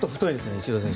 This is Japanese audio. イチロー選手。